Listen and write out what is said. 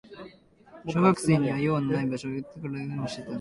小学生には用のない場所。そこで僕らは何をしていたんだ。